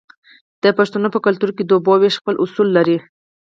د پښتنو په کلتور کې د اوبو ویش خپل اصول لري.